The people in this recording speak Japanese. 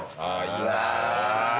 あぁいいな。